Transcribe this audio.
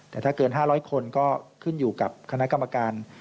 แต่ถ้าเกิน๕๐๐คนก็ขึ้นอยู่กับคณะกรรมการ